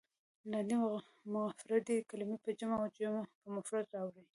لاندې مفردې کلمې په جمع او جمع په مفرد راوړئ.